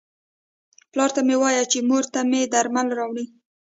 پلار ته مې وایه چې مور ته مې درمل راوړي.